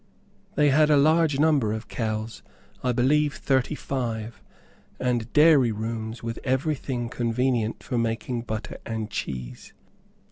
They had a large number of cows, I believe thirty five, and dairy rooms, with every thing convenient for making butter and cheese.